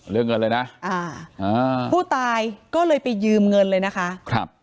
เรื่องเงินเลยนะอ่าอ่าผู้ตายก็เลยไปยืมเงินเลยนะคะครับ